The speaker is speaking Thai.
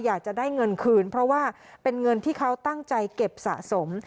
อยากจะได้เงินคืนเพราะว่าเป็นเงินที่เขาตั้งใจเก็บสะสม